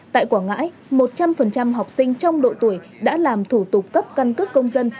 tại quảng ngãi một trăm linh học sinh trong độ tuổi đã làm thủ tục cấp căn cước công dân